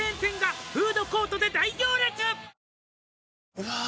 うわ！